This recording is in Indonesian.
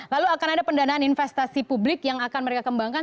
lalu akan ada pendanaan investasi publik yang akan mereka kembangkan